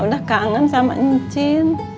mak udah kangen sama ncin